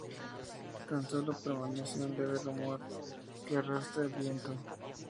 Tan sólo permanece u leve rumor que arrastra el viento.